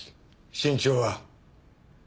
身長は？